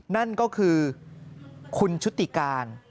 นั่นก็คือคุณชุติการ